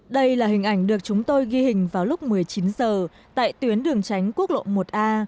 đây là hình ảnh được chúng tôi ghi hình vào lúc một mươi chín h tại tuyến đường tránh quốc lộ một a